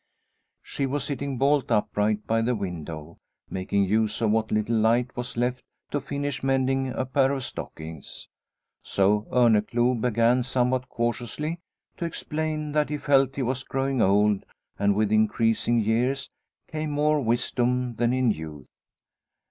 She was sitting bolt upright by the window, making use of what little light was left to finish mending a pair of stockings. So Orneclou began somewhat cautiously to explain that he felt he was growing old and with increasing years came more wisdom than in youth.